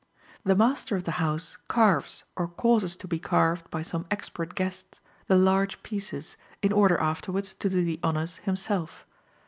The master of the house carves or causes to be carved by some expert guests, the large pieces, in order afterwards to do the honors himself.